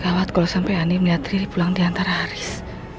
gawat kalau sampai andi melihat riri pulang diantara haris